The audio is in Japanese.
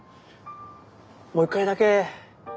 もう一回だけ。